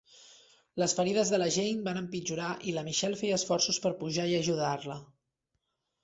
Les ferides de la Jane van empitjorar i la Michelle feia esforços per pujar i ajudar-la.